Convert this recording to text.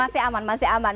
masih aman masih aman